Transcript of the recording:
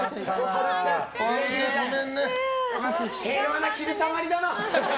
平和な昼下がりだな！